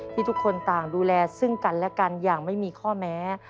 ทุกคนต่างดูแลซึ่งกันและกันอย่างไม่มีข้อแม้